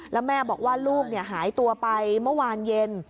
แล้วแม่บอกว่าลูกหายตัวไปเมื่อวานเย็น